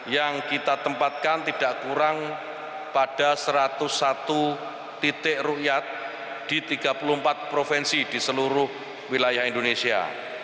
yang kita tempatkan tidak kurang pada satu ratus satu titik rukyat di tiga puluh empat provinsi di seluruh wilayah indonesia